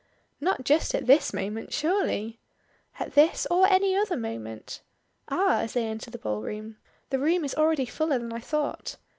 "Not just at this moment surely!" "At this or any other moment. Ah!" as they enter the ballroom. "The room is already fuller than I thought.